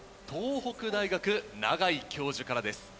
東北大学永井教授からです。